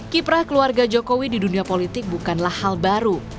kiprah keluarga jokowi di dunia politik bukanlah hal baru